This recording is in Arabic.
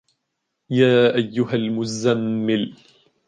يَا أَيُّهَا الْمُزَّمِّلُ